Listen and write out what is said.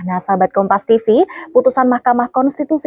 nah sahabat kompastv putusan mahkamah konstitusi